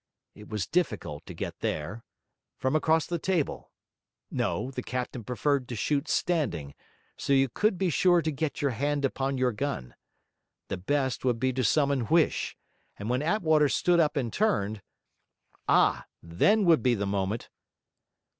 It was difficult to get there. From across the table? No, the captain preferred to shoot standing, so as you could be sure to get your hand upon your gun. The best would be to summon Huish, and when Attwater stood up and turned ah, then would be the moment.